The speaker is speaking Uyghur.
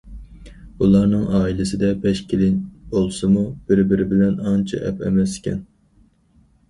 ئۇلارنىڭ ئائىلىسىدە بەش كېلىن بولسىمۇ، بىر- بىرى بىلەن ئانچە ئەپ ئەمەسكەن.